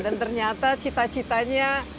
dan ternyata cita citanya